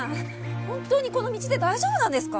本当にこの道で大丈夫なんですか？